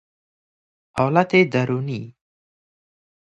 حالت درونی